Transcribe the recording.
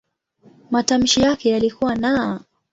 Matamshi yake yalikuwa "n".